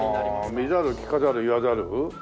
見ざる聞かざる言わざる？